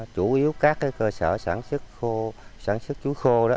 chủ yếu các cơ sở sản xuất chuối khô